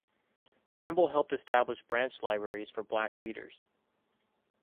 Campbell helped establish branch libraries for Black readers.